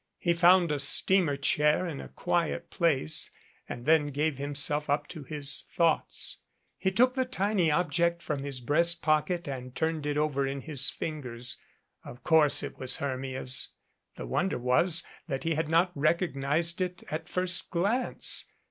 He found a steamer chair in a quiet place and then gave himself up to his thoughts. He took the tiny object from his breast pocket and turned it over in his fingers. Of course it was Hermia's. The wonder was that he had not recognized it at a first glance.